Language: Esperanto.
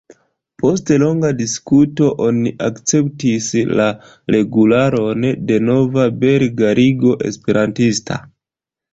Post longa diskuto oni akceptis la regularon de nova Belga Ligo Esperantista.